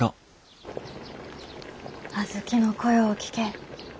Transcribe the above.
小豆の声を聴けえ。